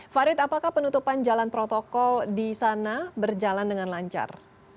farid apakah penutupan jalan protokol di sana berjalan dengan lancar